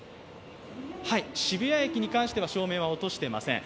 はい、渋谷駅に関しては照明は落としていません。